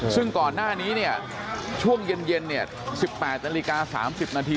ซึ่งก่อนหน้านี้เนี่ยช่วงเย็น๑๘นาฬิกา๓๐นาที